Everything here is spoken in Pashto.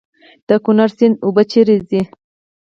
د کونړ سیند اوبه چیرته ځي؟